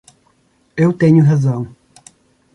Eu tenho razão.